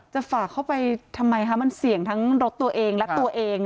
ฝากเข้าไปทำไมคะมันเสี่ยงทั้งรถตัวเองและตัวเอง